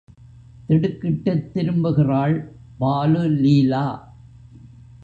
திடுக்கிட்டுத் திரும்புகிறாள் பாலு லீலா!